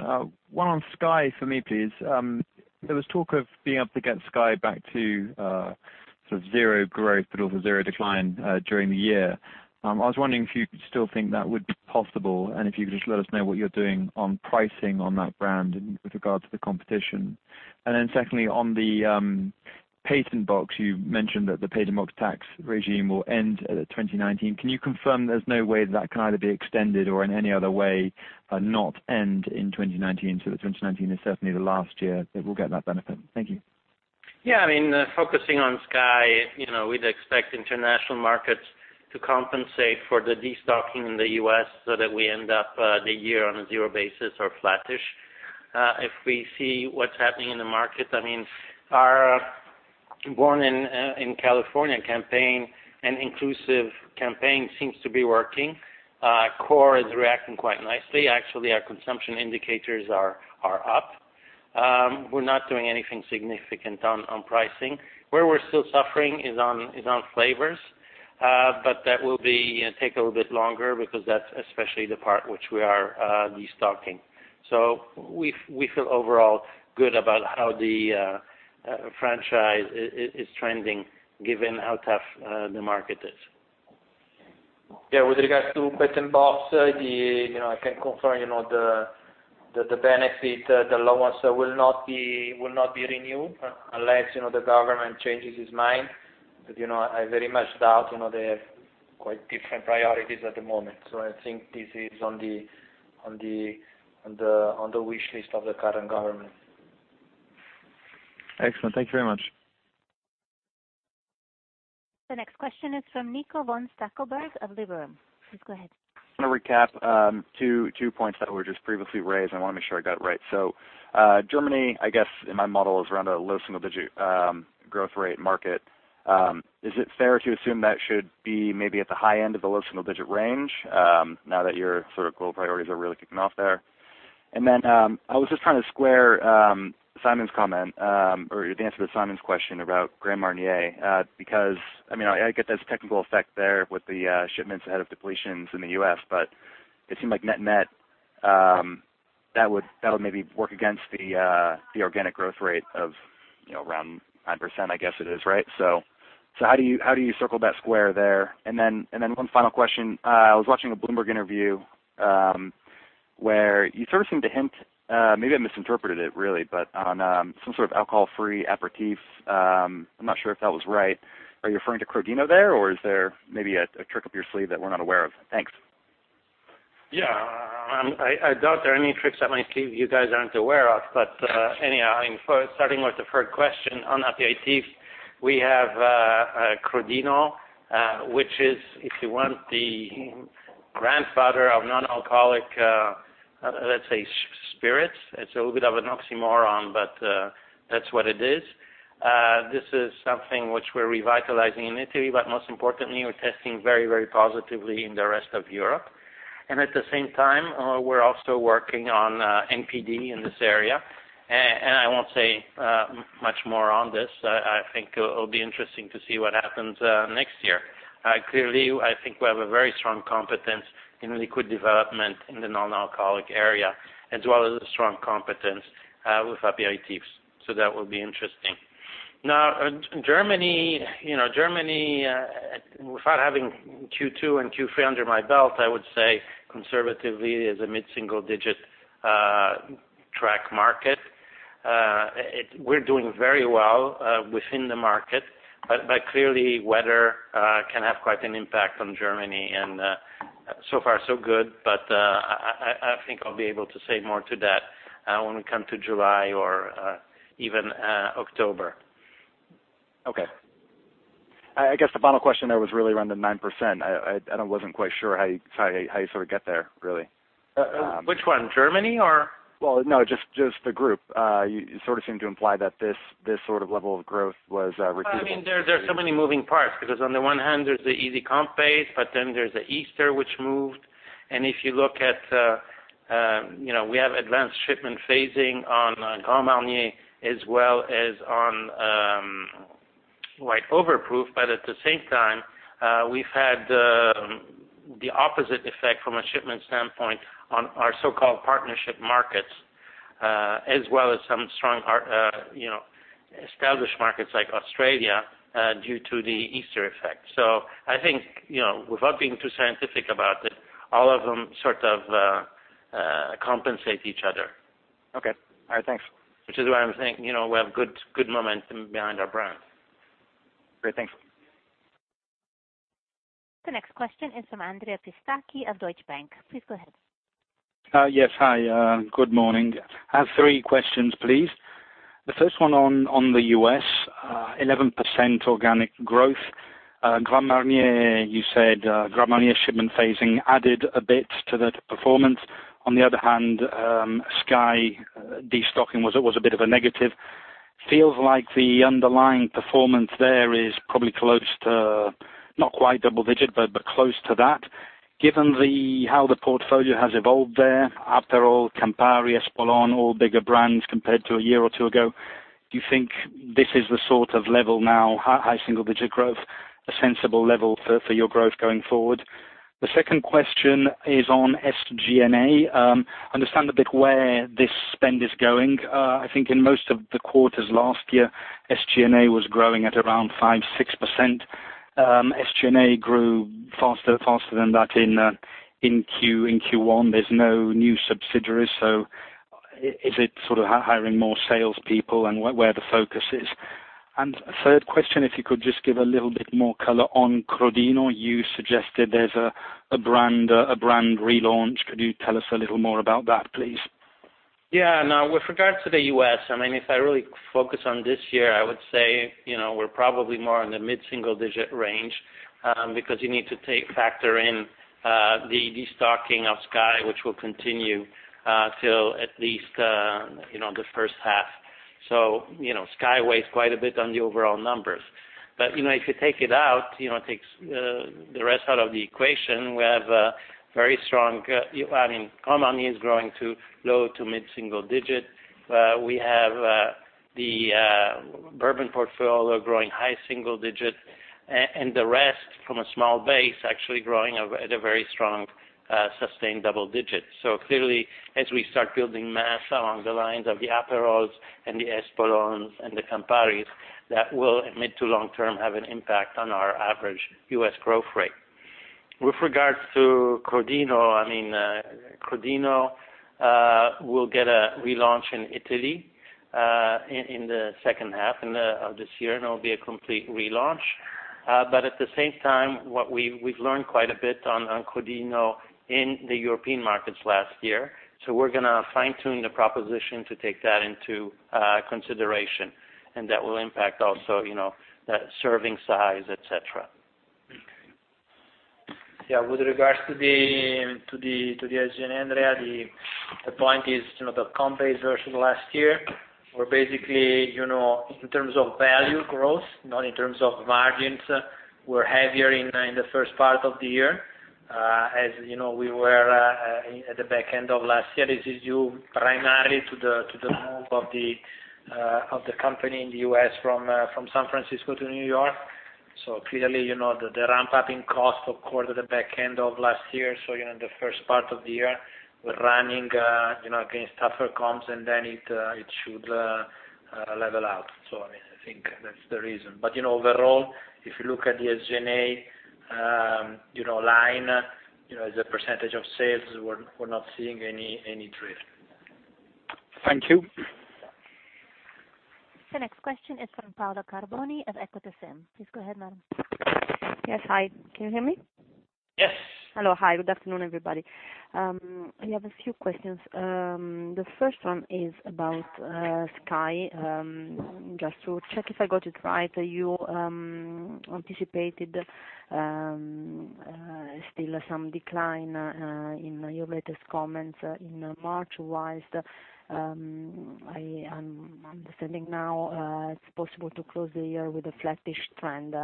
One on SKYY for me, please. There was talk of being able to get SKYY back to zero growth, but also zero decline during the year. I was wondering if you still think that would be possible, and if you could just let us know what you're doing on pricing on that brand with regards to the competition. Secondly, on the Patent Box, you mentioned that the Patent Box tax regime will end at 2019. Can you confirm there's no way that can either be extended or in any other way not end in 2019, so that 2019 is certainly the last year that we'll get that benefit? Thank you. Yeah. Focusing on SKYY, we'd expect international markets to compensate for the de-stocking in the U.S. so that we end up the year on a zero basis or flattish. If we see what's happening in the market, our Born in California campaign, an inclusive campaign, seems to be working. Core is reacting quite nicely. Actually, our consumption indicators are up. We're not doing anything significant on pricing. Where we're still suffering is on flavors. That will take a little bit longer because that's especially the part which we are de-stocking. We feel overall good about how the franchise is trending given how tough the market is. Yeah. With regards to Patent Box, I can confirm the benefit, the law is will not be renewed unless the government changes its mind. I very much doubt, they have quite different priorities at the moment. I think this is on the wish list of the current government. Excellent. Thank you very much. The next question is from Nico von Stackelberg of Liberum. Please go ahead. I want to recap two points that were just previously raised. I want to make sure I got it right. Germany, I guess in my model, is around a low single-digit growth rate market. Is it fair to assume that should be maybe at the high end of the low single-digit range now that your global priorities are really kicking off there? I was just trying to square Simon's comment, or the answer to Simon's question about Grand Marnier, because I get there's a technical effect there with the shipments ahead of depletions in the U.S., but it seemed like net net, that would maybe work against the organic growth rate of around 9%, I guess it is, right? How do you circle that square there? One final question. I was watching a Bloomberg interview, where you sort of seemed to hint, maybe I misinterpreted it really, but on some sort of alcohol-free aperitif. I'm not sure if that was right. Are you referring to Crodino there or is there maybe a trick up your sleeve that we're not aware of? Thanks. I doubt there are any tricks up my sleeve you guys aren't aware of. Starting with the first question, on aperitif, we have Crodino, which is, if you want, the grandfather of non-alcoholic-Let's say spirits. It's a little bit of an oxymoron, but that's what it is. This is something which we're revitalizing in Italy, but most importantly, we're testing very positively in the rest of Europe. At the same time, we're also working on NPD in this area. I won't say much more on this. I think it'll be interesting to see what happens next year. Clearly, I think we have a very strong competence in liquid development in the non-alcoholic area, as well as a strong competence with aperitifs, so that will be interesting. Germany, without having Q2 and Q3 under my belt, I would say conservatively is a mid-single-digit track market. We're doing very well within the market. Clearly, weather can have quite an impact on Germany, and so far so good, but I think I'll be able to say more to that when we come to July or even October. Okay. I guess the final question there was really around the 9%. I wasn't quite sure how you sort of get there, really. Which one? Germany or? No, just the group. You sort of seemed to imply that this sort of level of growth was repeatable. There's so many moving parts because on the one hand, there's the easy comp base, then there's the Easter, which moved. If you look at, we have advanced shipment phasing on Grand Marnier as well as on White Overproof. At the same time, we've had the opposite effect from a shipment standpoint on our so-called partnership markets, as well as some strong established markets like Australia due to the Easter effect. I think, without being too scientific about it, all of them sort of compensate each other. Okay. All right. Thanks. Which is why I'm saying, we have good momentum behind our brands. Great. Thank you. The next question is from Andrea Pistacchi of Deutsche Bank. Please go ahead. Yes. Hi, good morning. I have three questions, please. The first one on the U.S., 11% organic growth. Grand Marnier, you said Grand Marnier shipment phasing added a bit to that performance. On the other hand, SKYY destocking was a bit of a negative. Feels like the underlying performance there is probably close to, not quite double digit, but close to that. Given how the portfolio has evolved there, Aperol, Campari, Espolòn, all bigger brands compared to a year or two ago, do you think this is the sort of level now, high single digit growth, a sensible level for your growth going forward? The second question is on SG&A. Understand a bit where this spend is going. I think in most of the quarters last year, SG&A was growing at around 5%-6%. SG&A grew faster than that in Q1. There's no new subsidiaries. Is it sort of hiring more salespeople and where the focus is? Third question, if you could just give a little bit more color on Crodino. You suggested there's a brand relaunch. Could you tell us a little more about that, please? Yes. With regard to the U.S., if I really focus on this year, I would say, we're probably more in the mid-single digit range, because you need to factor in the destocking of SKYY, which will continue till at least, the first half. SKYY weighs quite a bit on the overall numbers. But if you take it out, take the rest out of the equation, we have a very strong Grand Marnier is growing to low to mid-single digit. We have the bourbon portfolio growing high single digit, and the rest from a small base actually growing at a very strong, sustained double digit. Clearly, as we start building mass along the lines of the Aperol and the Espolòn and the Campari, that will mid to long term have an impact on our average U.S. growth rate. With regards to Crodino will get a relaunch in Italy in the second half of this year. It will be a complete relaunch. At the same time, what we've learned quite a bit on Crodino in the European markets last year, we're going to fine-tune the proposition to take that into consideration, and that will impact also, the serving size, et cetera. Yeah. With regards to the SG&A, Andrea, the point is, the comp base versus last year, we're basically, in terms of value growth, not in terms of margins, we're heavier in the first part of the year. As you know, we were at the back end of last year. This is due primarily to the move of the company in the U.S. from San Francisco to New York. Clearly, the ramping cost occurred at the back end of last year. In the first part of the year, we're running against tougher comps, and then it should level out. I think that's the reason. Overall, if you look at the SG&A line as a % of sales, we're not seeing any drift. Thank you. The next question is from Paola Carboni of Equita SIM. Please go ahead, madam. Yes. Yes. Hello. Hi. Good afternoon, everybody. I have a few questions. The first one is about SKYY. Just to check if I got it right, you anticipated Still some decline in your latest comments in March. Wise, I'm understanding now it's possible to close the year with a flattish trend.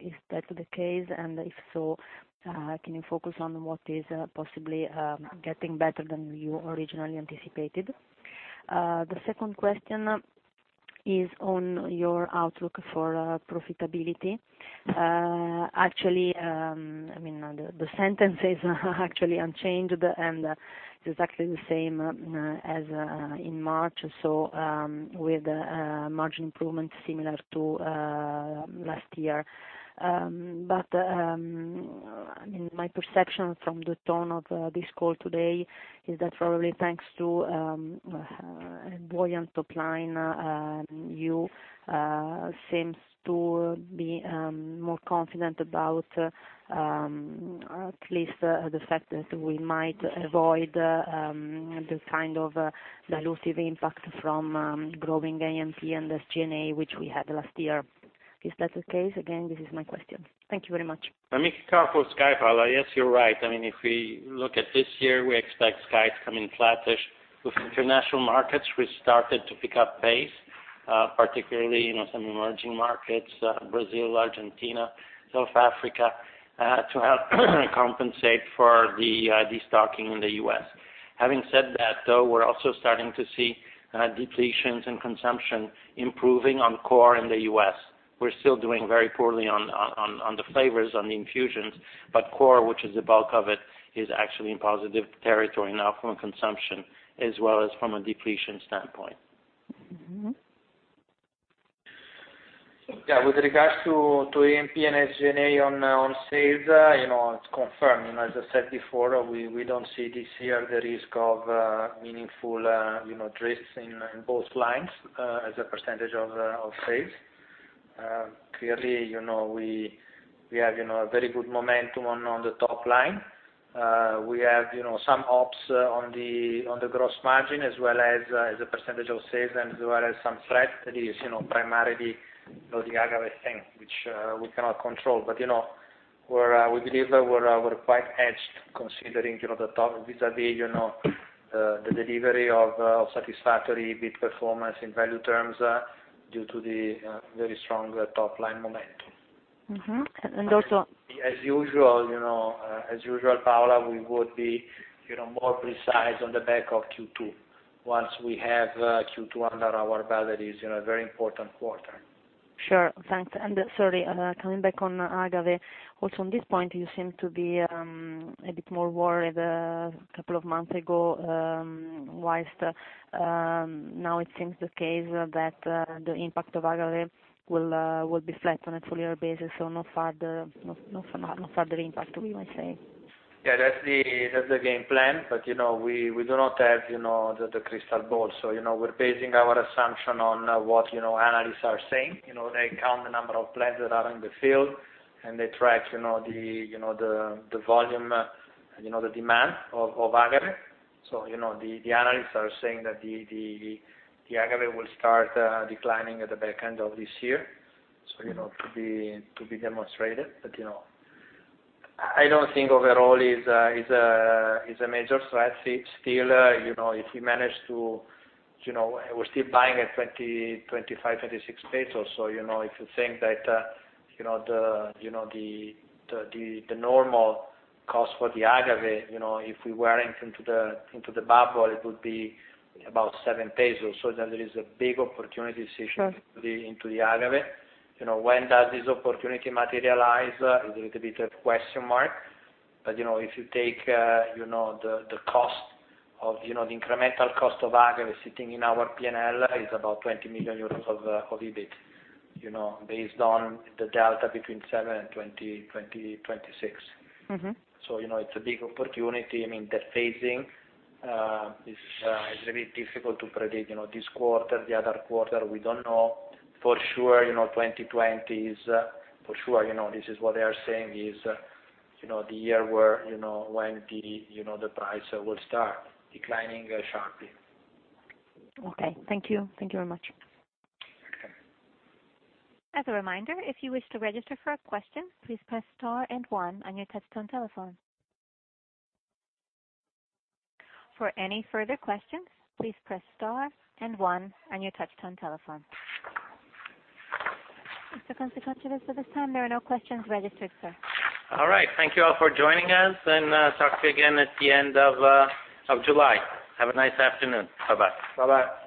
Is that the case? If so, can you focus on what is possibly getting better than you originally anticipated? The second question is on your outlook for profitability. Actually, the sentence is actually unchanged, and it's exactly the same as in March. With margin improvement similar to last year. My perception from the tone of this call today is that probably thanks to a buoyant top line, you seem to be more confident about at least the fact that we might avoid the kind of dilutive impact from growing AMP and SG&A, which we had last year. Is that the case? Again, this is my question. Thank you very much. Let me kick off with SKYY, Paola. Yes, you're right. If we look at this year, we expect SKYY to come in flattish. With international markets, we started to pick up pace, particularly, some emerging markets, Brazil, Argentina, South Africa, to help compensate for the de-stocking in the U.S. Having said that, though, we're also starting to see depletions and consumption improving on core in the U.S. We're still doing very poorly on the flavors, on the infusions. Core, which is the bulk of it, is actually in positive territory now from a consumption as well as from a depletion standpoint. Yeah. With regards to AMP and SG&A on sales, it's confirmed. As I said before, we don't see this year the risk of meaningful drifts in both lines as a percentage of sales. Clearly, we have very good momentum on the top line. We have some ops on the gross margin as well as a percentage of sales. There are some threat that is primarily the agave thing, which we cannot control. We believe that we're quite edged considering the top vis-à-vis, the delivery of satisfactory EBIT performance in value terms due to the very strong top-line momentum. Mm-hmm. As usual, Paola, we would be more precise on the back of Q2. Once we have Q2 under our belt, that is a very important quarter. Sure. Thanks. Sorry, coming back on agave. Also, on this point, you seem to be a bit more worried a couple of months ago, wise now it seems the case that the impact of agave will be flat on a full-year basis, no further impact, we might say. Yeah, that's the game plan. We do not have the crystal ball. We're basing our assumption on what analysts are saying. They count the number of plants that are in the field, and they track the volume, the demand of agave. The analysts are saying that the agave will start declining at the back end of this year. To be demonstrated. I don't think overall it's a major threat. Still, we're still buying at 25 pesos, 26 pesos. If you think that the normal cost for the agave, if we weren't into the bubble, it would be about 7 pesos. There is a big opportunity decision into the agave. Sure When does this opportunity materialize? A little bit of question mark. If you take the incremental cost of agave sitting in our P&L is about 20 million euros of EBIT based on the delta between 7 and 26. It's a big opportunity. The phasing is a little bit difficult to predict. This quarter, the other quarter, we don't know. For sure, 2020 is what they are saying is the year when the price will start declining sharply. Okay. Thank you. Thank you very much. Okay. As a reminder, if you wish to register for a question, please press star and one on your touch-tone telephone. For any further questions, please press star and one on your touch-tone telephone. Mr. Kunze-Concewitz, at this time, there are no questions registered, sir. All right. Thank you all for joining us, and talk to you again at the end of July. Have a nice afternoon. Bye-bye. Bye-bye.